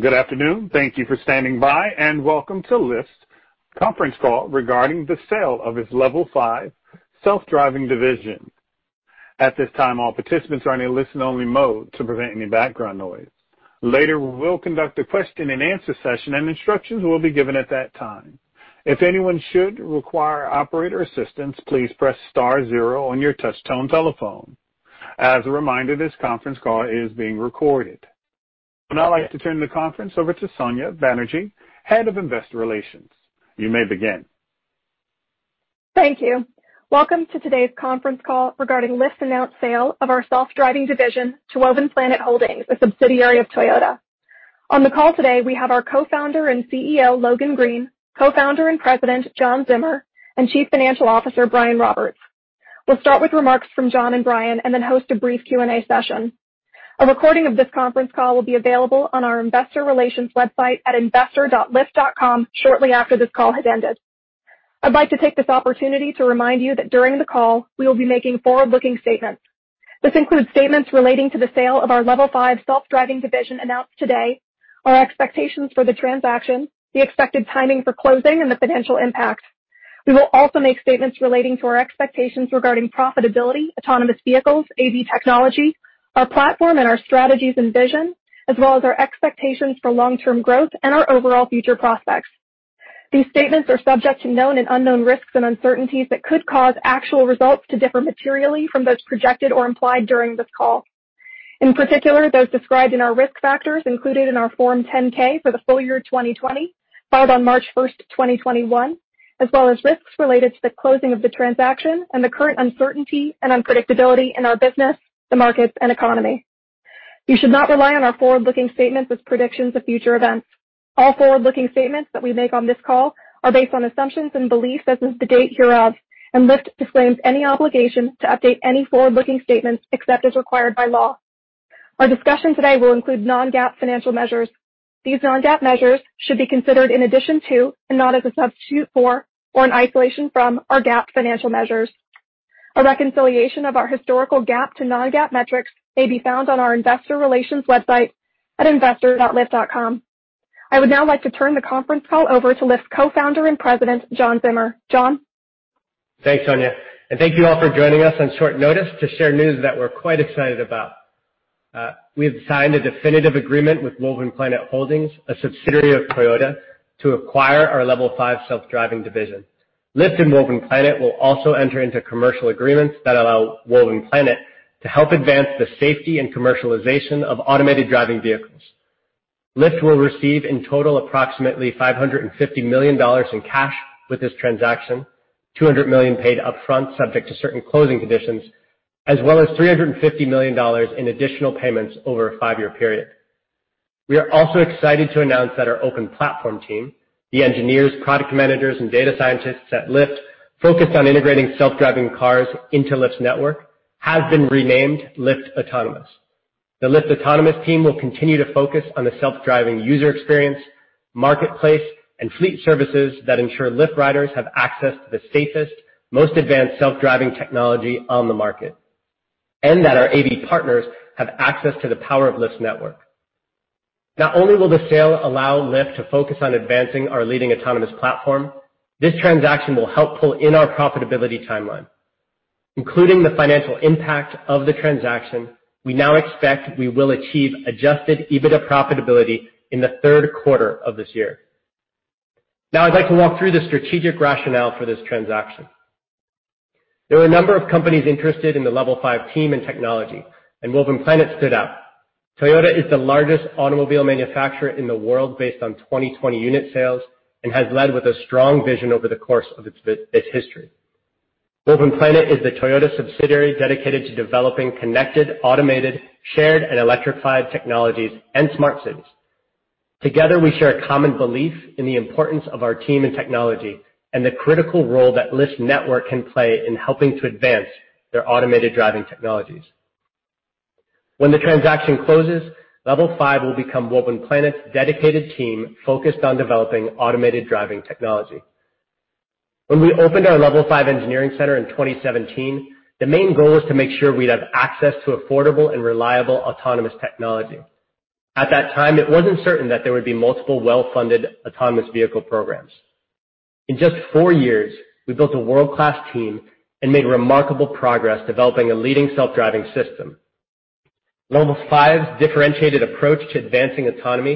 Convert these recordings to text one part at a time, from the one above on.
Good afternoon. Thank you for standing by, welcome to Lyft's conference call regarding the sale of its Level 5 self-driving division. At this time, all participants are in a listen only mode to prevent any background noise. Later, we will conduct a question and answer session, and instructions will be given at that time. If anyone should require operator assistance, please press star zero on your touchtone telephone. As a reminder, this conference call is being recorded. I'd like to turn the conference over to Sonya Banerjee, Head of Investor Relations. You may begin. Thank you. Welcome to today's conference call regarding Lyft's announced sale of our Level 5 self-driving division to Woven Planet Holdings, a subsidiary of Toyota. On the call today, we have our Co-Founder and CEO, Logan Green, Co-Founder and President, John Zimmer, and Chief Financial Officer, Brian Roberts. We'll start with remarks from John and Brian, and then host a brief Q&A session. A recording of this conference call will be available on our investor relations website at investor.lyft.com shortly after this call has ended. I'd like to take this opportunity to remind you that during the call, we will be making forward-looking statements. This includes statements relating to the sale of our Level 5 self-driving division announced today, our expectations for the transaction, the expected timing for closing, and the potential impact. We will also make statements relating to our expectations regarding profitability, autonomous vehicles, AV technology, our platform, and our strategies and vision, as well as our expectations for long-term growth and our overall future prospects. These statements are subject to known and unknown risks and uncertainties that could cause actual results to differ materially from those projected or implied during this call. In particular, those described in our risk factors included in our Form 10-K for the full year 2020, filed on March 1, 2021, as well as risks related to the closing of the transaction and the current uncertainty and unpredictability in our business, the markets, and economy. You should not rely on our forward-looking statements as predictions of future events. All forward-looking statements that we make on this call are based on assumptions and beliefs as of the date hereof, and Lyft disclaims any obligation to update any forward-looking statements except as required by law. Our discussion today will include non-GAAP financial measures. These non-GAAP measures should be considered in addition to, and not as a substitute for, or in isolation from, our GAAP financial measures. A reconciliation of our historical GAAP to non-GAAP metrics may be found on our investor relations website at investor.lyft.com. I would now like to turn the conference call over to Lyft's Co-founder and President, John Zimmer. John? Thanks, Sonya. Thank you all for joining us on short notice to share news that we're quite excited about. We have signed a definitive agreement with Woven Planet Holdings, a subsidiary of Toyota, to acquire our Level 5 self-driving division. Lyft and Woven Planet will also enter into commercial agreements that allow Woven Planet to help advance the safety and commercialization of automated driving vehicles. Lyft will receive in total approximately $550 million in cash with this transaction, $200 million paid upfront subject to certain closing conditions, as well as $350 million in additional payments over a five-year period. We are also excited to announce that our Open Platform team, the engineers, product managers, and data scientists at Lyft focused on integrating self-driving cars into Lyft's network, has been renamed Lyft Autonomous. The Lyft Autonomous team will continue to focus on the self-driving user experience, marketplace, and fleet services that ensure Lyft riders have access to the safest, most advanced self-driving technology on the market, and that our AV partners have access to the power of Lyft's network. Not only will the sale allow Lyft to focus on advancing our leading autonomous platform, this transaction will help pull in our profitability timeline. Including the financial impact of the transaction, we now expect we will achieve adjusted EBITDA profitability in the third quarter of this year. Now, I'd like to walk through the strategic rationale for this transaction. There were a number of companies interested in the Level 5 team and technology, and Woven Planet stood out. Toyota is the largest automobile manufacturer in the world based on 2020 unit sales and has led with a strong vision over the course of its history. Woven Planet is the Toyota subsidiary dedicated to developing connected, automated, shared, and electrified technologies and smart cities. Together, we share a common belief in the importance of our team and technology and the critical role that Lyft's network can play in helping to advance their automated driving technologies. When the transaction closes, Level 5 will become Woven Planet's dedicated team focused on developing automated driving technology. When we opened our Level 5 engineering center in 2017, the main goal was to make sure we'd have access to affordable and reliable autonomous technology. At that time, it wasn't certain that there would be multiple well-funded autonomous vehicle programs. In just four years, we built a world-class team and made remarkable progress developing a leading self-driving system. Level 5's differentiated approach to advancing autonomy,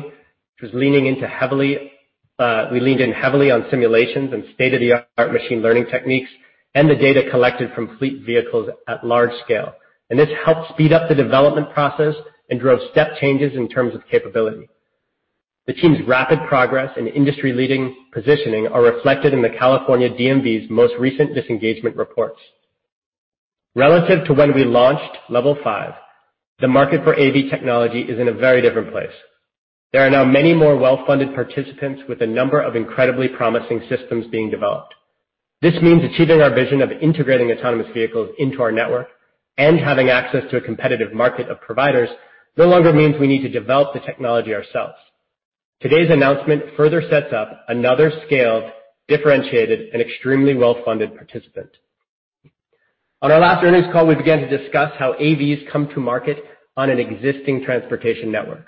which we leaned in heavily on simulations and state-of-the-art machine learning techniques and the data collected from fleet vehicles at large scale. This helped speed up the development process and drove step changes in terms of capability. The team's rapid progress and industry-leading positioning are reflected in the California DMV's most recent disengagement reports. Relative to when we launched Level 5, the market for AV technology is in a very different place. There are now many more well-funded participants with a number of incredibly promising systems being developed. This means achieving our vision of integrating autonomous vehicles into our network and having access to a competitive market of providers no longer means we need to develop the technology ourselves. Today's announcement further sets up another scaled, differentiated, and extremely well-funded participant. On our last earnings call, we began to discuss how AVs come to market on an existing transportation network.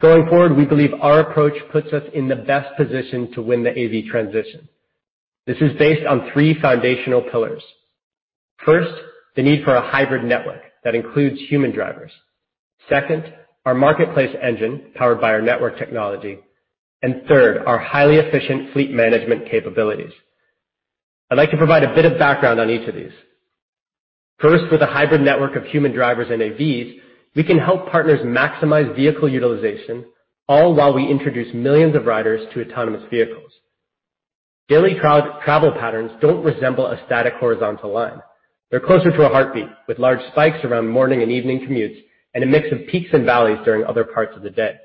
Going forward, we believe our approach puts us in the best position to win the AV transition. This is based on three foundational pillars. The need for a hybrid network that includes human drivers. Our marketplace engine, powered by our network technology. Our highly efficient fleet management capabilities. I'd like to provide a bit of background on each of these. With a hybrid network of human drivers and AVs, we can help partners maximize vehicle utilization, all while we introduce millions of riders to autonomous vehicles. Daily travel patterns don't resemble a static horizontal line. They're closer to a heartbeat, with large spikes around morning and evening commutes, and a mix of peaks and valleys during other parts of the day.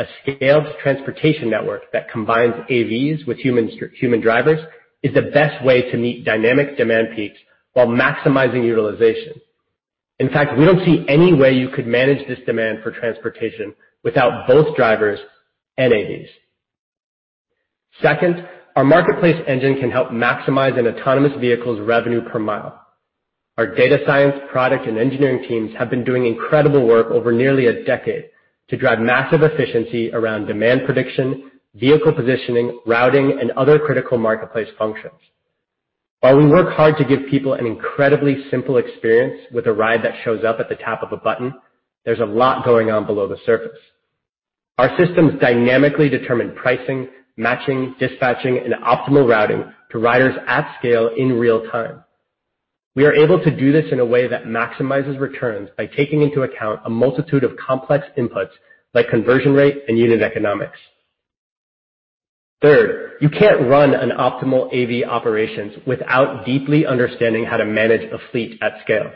A scaled transportation network that combines AVs with human drivers is the best way to meet dynamic demand peaks while maximizing utilization. In fact, we don't see any way you could manage this demand for transportation without both drivers and AVs. Second, our marketplace engine can help maximize an autonomous vehicle's revenue per mile. Our data science, product, and engineering teams have been doing incredible work over nearly a decade to drive massive efficiency around demand prediction, vehicle positioning, routing, and other critical marketplace functions. While we work hard to give people an incredibly simple experience with a ride that shows up at the tap of a button, there's a lot going on below the surface. Our systems dynamically determine pricing, matching, dispatching, and optimal routing to riders at scale in real time. We are able to do this in a way that maximizes returns by taking into account a multitude of complex inputs like conversion rate and unit economics. Third, you can't run an optimal AV operations without deeply understanding how to manage a fleet at scale.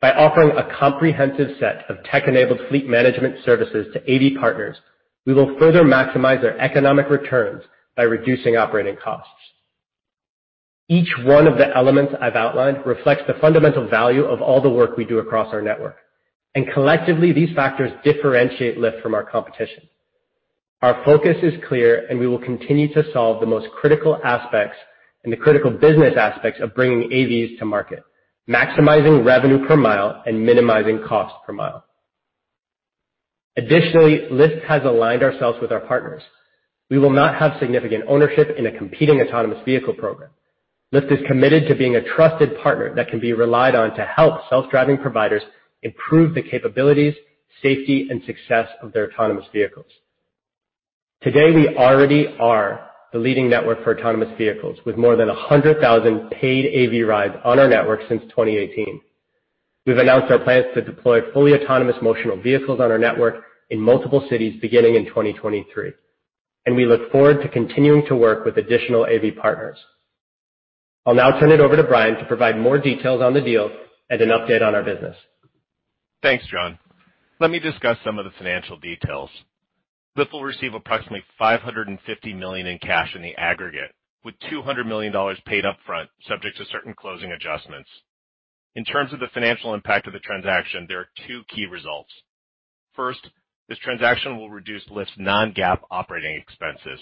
By offering a comprehensive set of tech-enabled fleet management services to AV partners, we will further maximize their economic returns by reducing operating costs. Each one of the elements I've outlined reflects the fundamental value of all the work we do across our network. Collectively, these factors differentiate Lyft from our competition. Our focus is clear, and we will continue to solve the most critical aspects and the critical business aspects of bringing AVs to market, maximizing revenue per mile and minimizing cost per mile. Additionally, Lyft has aligned ourselves with our partners. We will not have significant ownership in a competing autonomous vehicle program. Lyft is committed to being a trusted partner that can be relied on to help self-driving providers improve the capabilities, safety, and success of their autonomous vehicles. Today, we already are the leading network for autonomous vehicles, with more than 100,000 paid AV rides on our network since 2018. We've announced our plans to deploy fully autonomous Motional vehicles on our network in multiple cities beginning in 2023, and we look forward to continuing to work with additional AV partners. I'll now turn it over to Brian to provide more details on the deal and an update on our business. Thanks, John. Let me discuss some of the financial details. Lyft will receive approximately $550 million in cash in the aggregate, with $200 million paid upfront, subject to certain closing adjustments. In terms of the financial impact of the transaction, there are two key results. First, this transaction will reduce Lyft's non-GAAP operating expenses.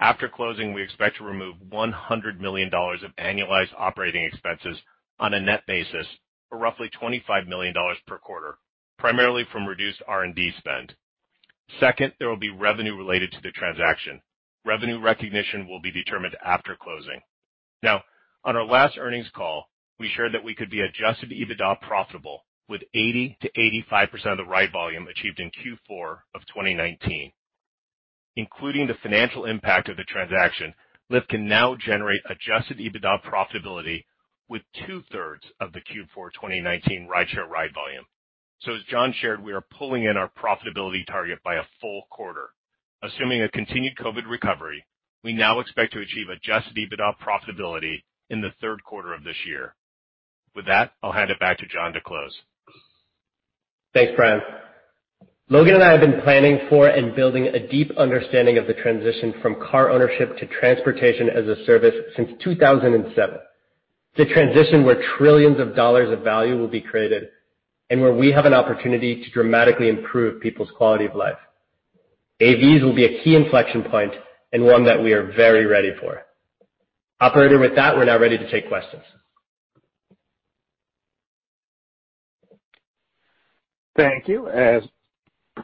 After closing, we expect to remove $100 million of annualized operating expenses on a net basis, or roughly $25 million per quarter, primarily from reduced R&D spend. Second, there will be revenue related to the transaction. Revenue recognition will be determined after closing. Now, on our last earnings call, we shared that we could be adjusted EBITDA profitable with 80%-85% of the ride volume achieved in Q4 of 2019. Including the financial impact of the transaction, Lyft can now generate adjusted EBITDA profitability with two-thirds of the Q4 2019 rideshare ride volume. As John shared, we are pulling in our profitability target by a full quarter. Assuming a continued COVID recovery, we now expect to achieve adjusted EBITDA profitability in the third quarter of this year. With that, I'll hand it back to John to close. Thanks, Brian. Logan and I have been planning for and building a deep understanding of the transition from car ownership to transportation as a service since 2007. It's a transition where trillions of dollars of value will be created and where we have an opportunity to dramatically improve people's quality of life. AVs will be a key inflection point and one that we are very ready for. Operator, with that, we're now ready to take questions. Thank you. As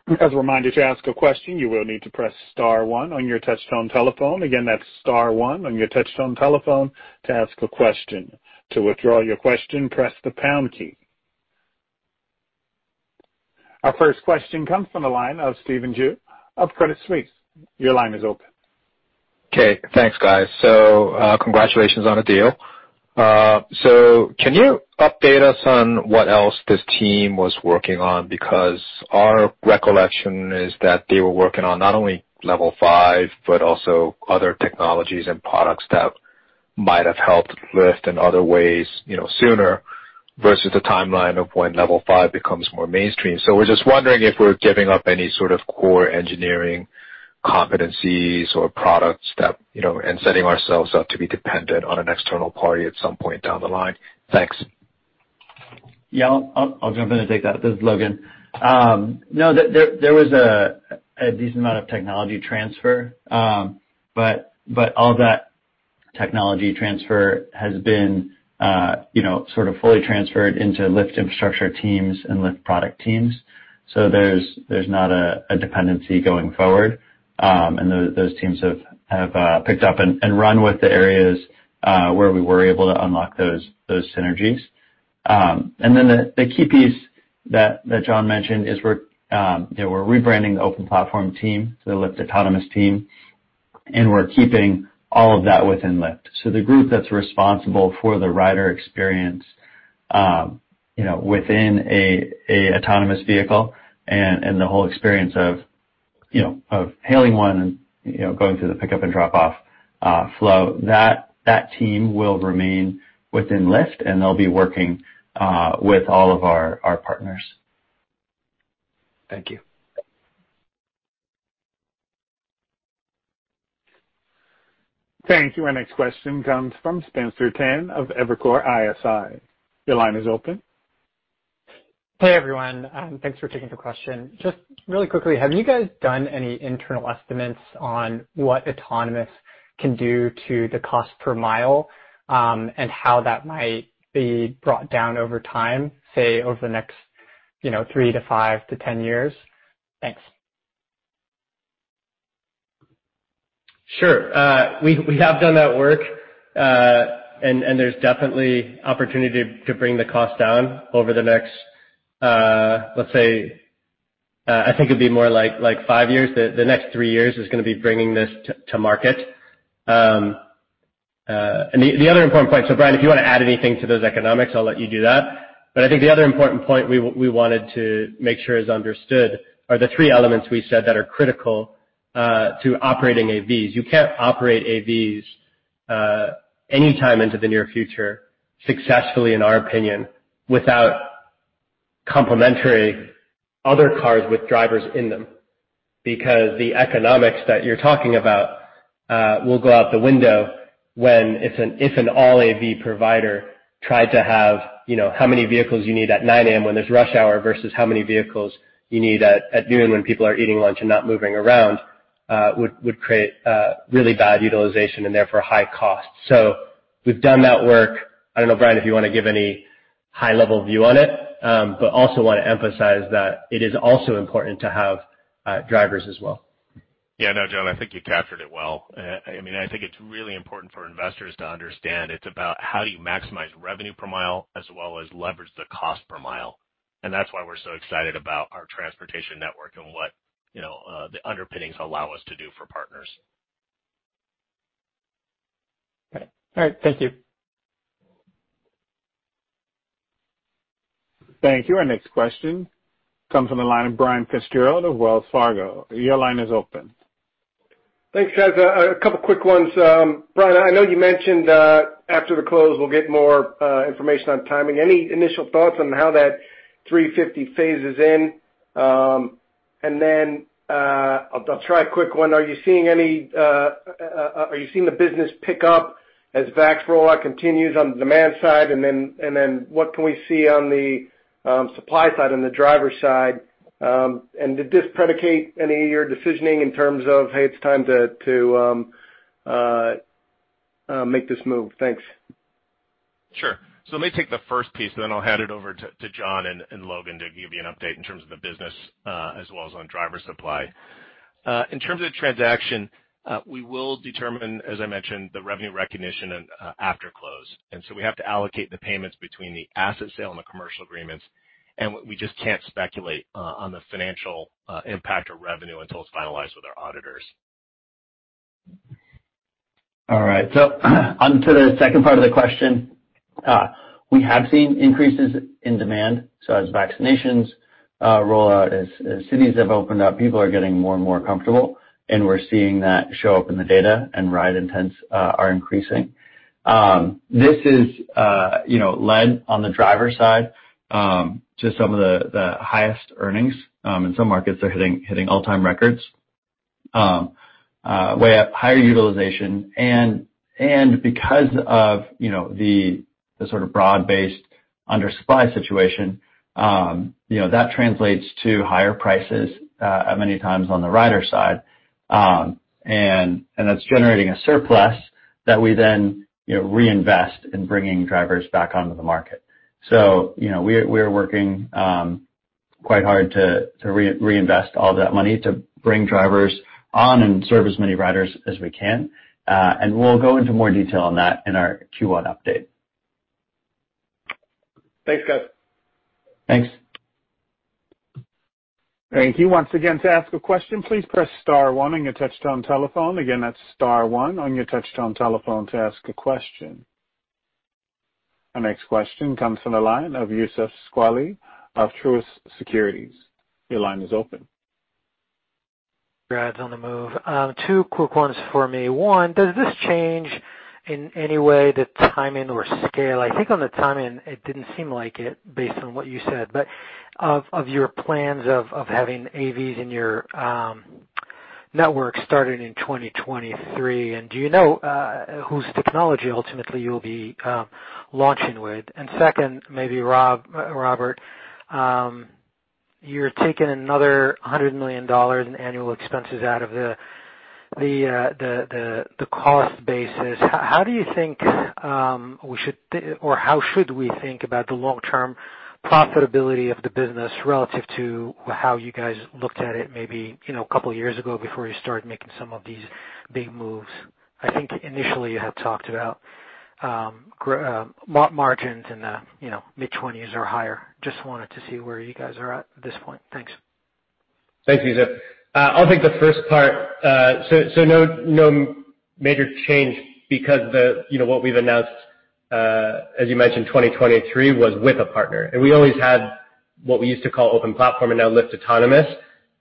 a reminder, to ask a question, you will need to press star one on your touch-tone telephone. Again, that's star one on your touch-tone telephone to ask a question. To withdraw your question, press the pound key. Our first question comes from the line of Stephen Ju of Credit Suisse. Your line is open. Okay. Thanks, guys. Congratulations on the deal. Can you update us on what else this team was working on? Because our recollection is that they were working on not only Level 5, but also other technologies and products that might have helped Lyft in other ways sooner versus the timeline of when Level 5 becomes more mainstream. We're just wondering if we're giving up any sort of core engineering competencies or products and setting ourselves up to be dependent on an external party at some point down the line. Thanks. Yeah. I'll jump in and take that. This is Logan. No, there was a decent amount of technology transfer. All that technology transfer has been sort of fully transferred into Lyft infrastructure teams and Lyft product teams. There's not a dependency going forward. Those teams have picked up and run with the areas, where we were able to unlock those synergies. The key piece that John mentioned is we're rebranding the Open Platform team to the Lyft Autonomous team, and we're keeping all of that within Lyft. The group that's responsible for the rider experience within an autonomous vehicle and the whole experience of hailing one and going through the pickup and drop-off flow, that team will remain within Lyft, and they'll be working with all of our partners. Thank you. Thank you. Our next question comes from Spencer Tan of Evercore ISI. Your line is open. Hey, everyone. Thanks for taking the question. Just really quickly, have you guys done any internal estimates on what autonomous can do to the cost per mile, and how that might be brought down over time, say, over the next three to five to 10 years? Thanks. Sure. We have done that work, there's definitely opportunity to bring the cost down over the next, let's say, I think it'd be more like five years. The next three years is going to be bringing this to market. Brian, if you want to add anything to those economics, I'll let you do that. I think the other important point we wanted to make sure is understood are the three elements we said that are critical to operating AVs. You can't operate AVs anytime into the near future successfully, in our opinion, without complementary other cars with drivers in them. The economics that you're talking about will go out the window when if an all-AV provider tried to have how many vehicles you need at 9:00 A.M. when there's rush hour versus how many vehicles you need at noon when people are eating lunch and not moving around, would create a really bad utilization and therefore high cost. We've done that work. I don't know, Brian, if you want to give any high-level view on it. Also want to emphasize that it is also important to have drivers as well. Yeah. No, John, I think you captured it well. I think it's really important for investors to understand it's about how do you maximize revenue per mile as well as leverage the cost per mile. That's why we're so excited about our transportation network and what the underpinnings allow us to do for partners. Okay. All right. Thank you. Thank you. Our next question comes from the line of Brian Fitzgerald of Wells Fargo. Your line is open. Thanks, guys. A couple quick ones. Brian, I know you mentioned, after the close, we'll get more information on timing. Any initial thoughts on how that 350 phases in? I'll try a quick one. Are you seeing the business pick up as vax rollout continues on the demand side? What can we see on the supply side, on the driver side? Did this predicate any of your decisioning in terms of, hey, it's time to make this move? Thanks. Sure. Let me take the first piece, and then I'll hand it over to John Zimmer and Logan Green to give you an update in terms of the business, as well as on driver supply. In terms of the transaction, we will determine, as I mentioned, the revenue recognition after close. We have to allocate the payments between the asset sale and the commercial agreements. We just can't speculate on the financial impact of revenue until it's finalized with our auditors. All right. Onto the second part of the question. We have seen increases in demand. As vaccinations roll out, as cities have opened up, people are getting more and more comfortable, and we're seeing that show up in the data and ride intents are increasing. This has led on the driver side to some of the highest earnings. In some markets they're hitting all-time records, way up, higher utilization. Because of the sort of broad-based under-supply situation, that translates to higher prices many times on the rider side. That's generating a surplus that we then reinvest in bringing drivers back onto the market. We are working quite hard to reinvest all that money to bring drivers on and serve as many riders as we can. We'll go into more detail on that in our Q1 update. Thanks, guys. Thanks. Thank you. Once again, to ask a question, please press star one on your touch-tone telephone. Again, that's star one on your touch-tone telephone to ask a question. Our next question comes from the line of Youssef Squali of Truist Securities. Your line is open. Congrats on the move. Two quick ones for me. One, does this change in any way the timing or scale? I think on the timing, it didn't seem like it based on what you said, but of your plans of having AVs in your network starting in 2023, do you know whose technology ultimately you'll be launching with? Second, maybe Brian Roberts, you're taking another $100 million in annual expenses out of the cost basis. How should we think about the long-term profitability of the business relative to how you guys looked at it maybe a couple of years ago before you started making some of these big moves? I think initially you had talked about margins in the mid-20s or higher. Just wanted to see where you guys are at at this point. Thanks. Thanks, Youssef Squali. I'll take the first part. No major change because what we've announced, as you mentioned, 2023 was with a partner, and we always had what we used to call Open Platform and now Lyft Autonomous,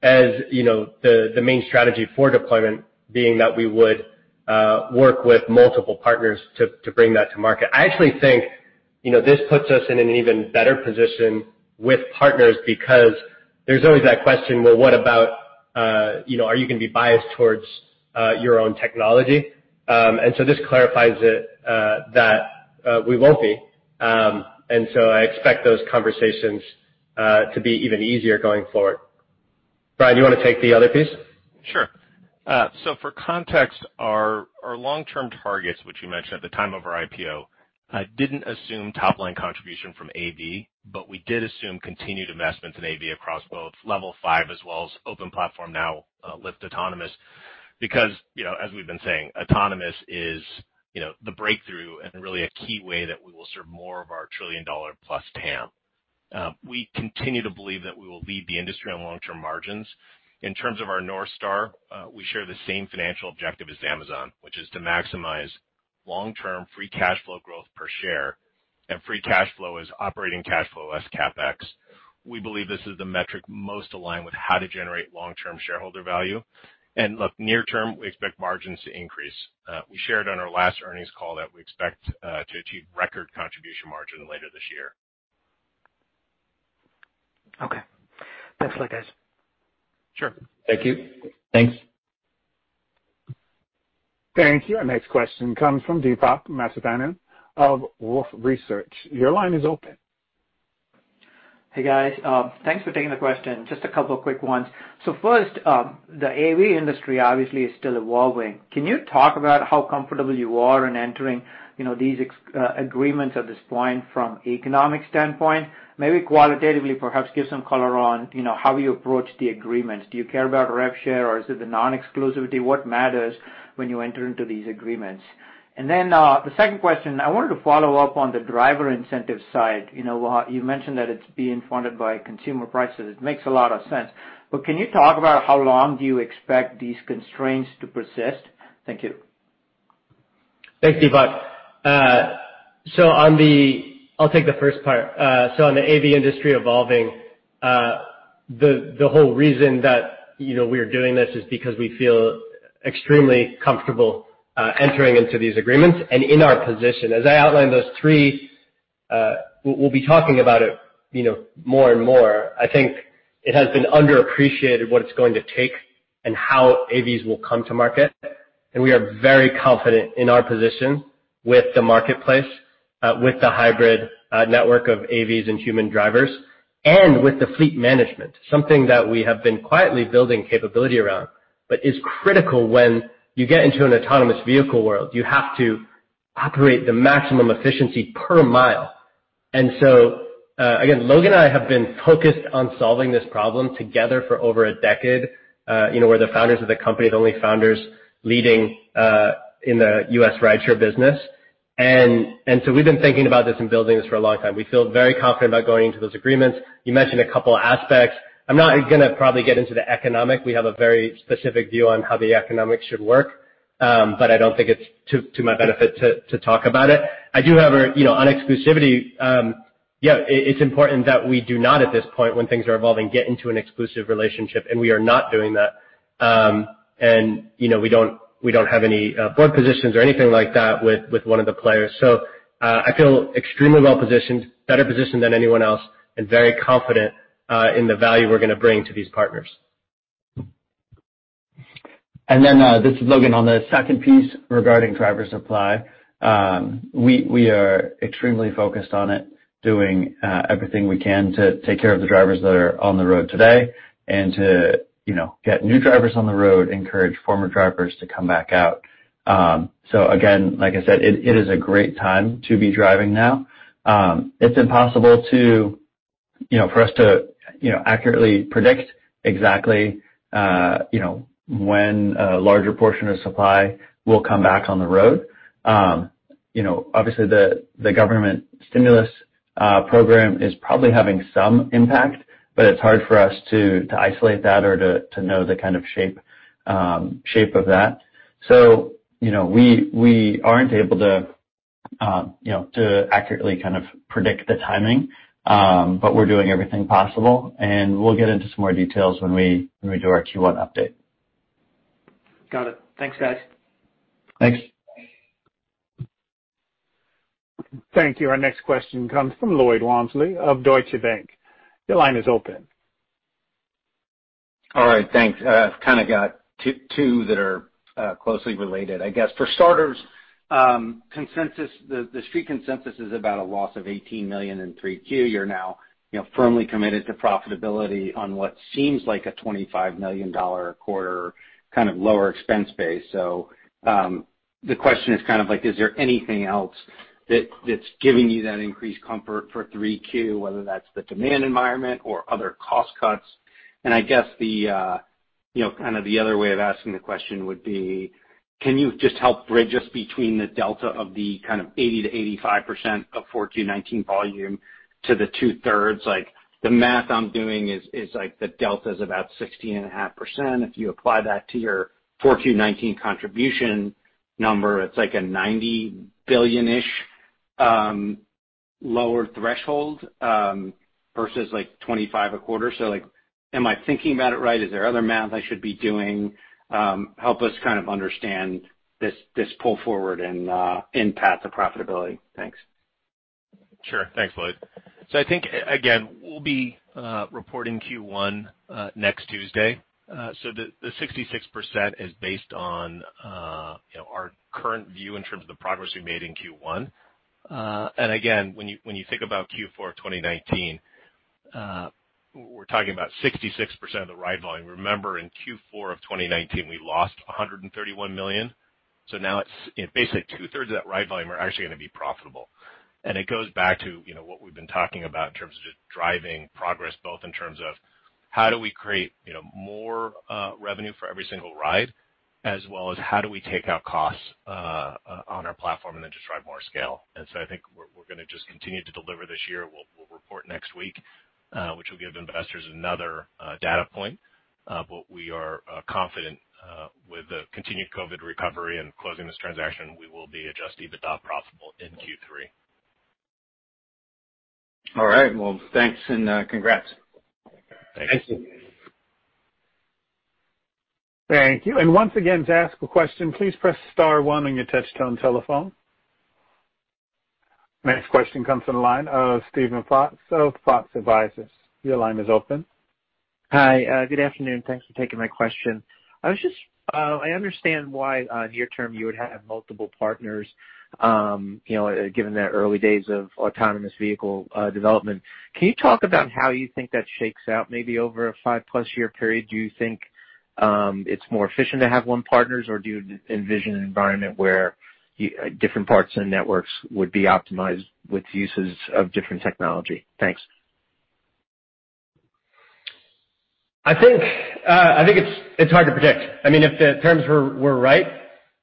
as the main strategy for deployment being that we would work with multiple partners to bring that to market. I actually think this puts us in an even better position with partners because there's always that question, well, are you going to be biased towards your own technology? This clarifies it that we won't be. I expect those conversations to be even easier going forward. Brian, do you want to take the other piece? Sure. For context, our long-term targets, which you mentioned at the time of our IPO, didn't assume top-line contribution from AV, but we did assume continued investments in AV across both Level 5 as well as Open Platform, now Lyft Autonomous, because, as we've been saying, autonomous is the breakthrough and really a key way that we will serve more of our $1 trillion+ TAM. We continue to believe that we will lead the industry on long-term margins. In terms of our North Star, we share the same financial objective as Amazon, which is to maximize long-term free cash flow growth per share. Free cash flow is operating cash flow less CapEx. We believe this is the metric most aligned with how to generate long-term shareholder value. Look, near term, we expect margins to increase. We shared on our last earnings call that we expect to achieve record contribution margin later this year. Okay. Thanks a lot, guys. Sure. Thank you. Thanks. Thank you. Our next question comes from Deepak Mathivanan of Wolfe Research. Your line is open. Hey, guys. Thanks for taking the question. Just a couple of quick ones. First, the AV industry obviously is still evolving. Can you talk about how comfortable you are in entering these agreements at this point from economic standpoint? Maybe qualitatively, perhaps give some color on how you approach the agreements. Do you care about rev share or is it the non-exclusivity? What matters when you enter into these agreements? The second question, I wanted to follow up on the driver incentive side. You mentioned that it's being funded by consumer prices. It makes a lot of sense. Can you talk about how long do you expect these constraints to persist? Thank you. Thanks, Deepak. I'll take the first part. On the AV industry evolving, the whole reason that we are doing this is because we feel extremely comfortable entering into these agreements and in our position. As I outlined those three, we'll be talking about it more and more. I think it has been underappreciated what it's going to take and how AVs will come to market, and we are very confident in our position with the marketplace, with the hybrid network of AVs and human drivers, and with the fleet management, something that we have been quietly building capability around. Is critical when you get into an autonomous vehicle world. You have to operate the maximum efficiency per mile. Again, Logan and I have been focused on solving this problem together for over a decade. We're the founders of the company, the only founders leading in the U.S. rideshare business. We've been thinking about this and building this for a long time. We feel very confident about going into those agreements. You mentioned a couple aspects. I'm not going to probably get into the economic. We have a very specific view on how the economics should work, but I don't think it's to my benefit to talk about it. On exclusivity, yeah, it's important that we do not, at this point, when things are evolving, get into an exclusive relationship, and we are not doing that. We don't have any board positions or anything like that with one of the players. I feel extremely well positioned, better positioned than anyone else, and very confident in the value we're going to bring to these partners. This is Logan. On the second piece regarding driver supply. We are extremely focused on it, doing everything we can to take care of the drivers that are on the road today and to get new drivers on the road, encourage former drivers to come back out. Again, like I said, it is a great time to be driving now. It's impossible for us to accurately predict exactly when a larger portion of supply will come back on the road. Obviously, the government stimulus program is probably having some impact, but it's hard for us to isolate that or to know the kind of shape of that. We aren't able to accurately kind of predict the timing, but we're doing everything possible, and we'll get into some more details when we do our Q1 update. Got it. Thanks, guys. Thanks. Thank you. Our next question comes from Lloyd Walmsley of Deutsche Bank. Your line is open. All right. Thanks. I've kind of got two that are closely related, I guess. The street consensus is about a loss of $18 million in 3Q. You're now firmly committed to profitability on what seems like a $25 million a quarter kind of lower expense base. The question is there anything else that's giving you that increased comfort for 3Q, whether that's the demand environment or other cost cuts? I guess the other way of asking the question would be, can you just help bridge us between the delta of the kind of 80%-85% of 4Q 2019 volume to the 2/3? The math I'm doing is the delta's about 16.5%. If you apply that to your 4Q 2019 contribution number, it's like a $90 billion-ish lower threshold, versus $25 a quarter. Am I thinking about it right? Is there other math I should be doing? Help us kind of understand this pull forward and path to profitability. Thanks. Sure. Thanks, Lloyd. We'll be reporting Q1 next Tuesday. The 66% is based on our current view in terms of the progress we made in Q1. When you think about Q4 2019, we're talking about 66% of the ride volume. Remember in Q4 of 2019, we lost $131 million. Now basically two-thirds of that ride volume are actually going to be profitable. It goes back to what we've been talking about in terms of driving progress, both in terms of how do we create more revenue for every single ride, as well as how do we take out costs on our platform and drive more scale. We're going to continue to deliver this year. We'll report next week, which will give investors another data point. We are confident, with the continued COVID recovery and closing this transaction, we will be adjusted EBITDA profitable in Q3. All right, well, thanks and congrats. Thank you. Thank you. Once again, to ask a question, please press star one on your touch-tone telephone. Next question comes from the line of Steven Fox of Fox Advisors. Your line is open. Hi. Good afternoon. Thanks for taking my question. I understand why on your term you would have multiple partners, given the early days of autonomous vehicle development. Can you talk about how you think that shakes out maybe over a 5+ year period? Do you think it's more efficient to have one partner, or do you envision an environment where different parts of the networks would be optimized with uses of different technology? Thanks. I think it's hard to predict. If the terms were right,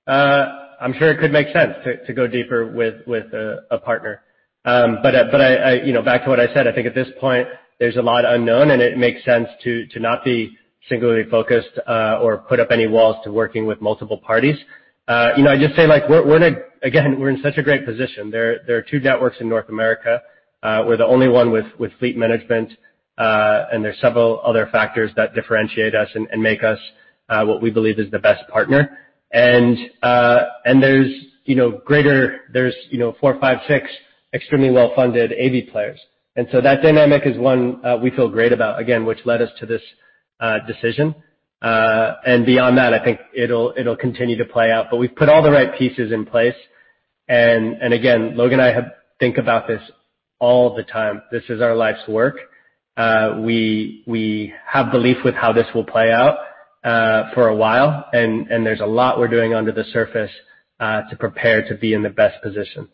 I'm sure it could make sense to go deeper with a partner. Back to what I said, I think at this point, there's a lot unknown, and it makes sense to not be singularly focused or put up any walls to working with multiple parties. I just say, again, we're in such a great position. There are two networks in North America. We're the only one with fleet management, and there's several other factors that differentiate us and make us what we believe is the best partner. There's four, five, six extremely well-funded AV players. That dynamic is one we feel great about, again, which led us to this decision. Beyond that, I think it'll continue to play out. We've put all the right pieces in place. Again, Logan and I think about this all the time. This is our life's work. We have belief with how this will play out for a while, and there's a lot we're doing under the surface to prepare to be in the best position.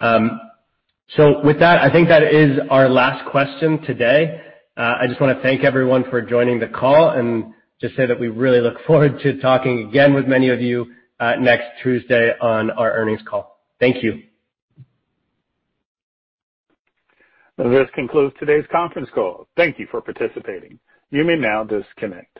With that, I think that is our last question today. I just want to thank everyone for joining the call and just say that we really look forward to talking again with many of you next Tuesday on our earnings call. Thank you. This concludes today's conference call. Thank you for participating. You may now disconnect.